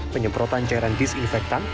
penyemprotan cairan disinfektan